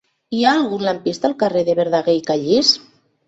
Hi ha algun lampista al carrer de Verdaguer i Callís?